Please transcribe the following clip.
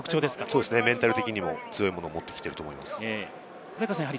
そうですね、メンタル的にも強いものを持ってきていると思います。